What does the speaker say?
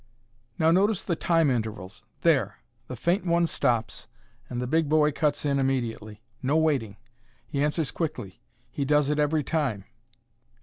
"Now notice the time intervals there! The faint one stops, and the big boy cuts in immediately. No waiting; he answers quickly. He does it every time."